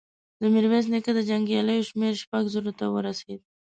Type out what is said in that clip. د ميرويس نيکه د جنګياليو شمېر شپږو زرو ته ورسېد.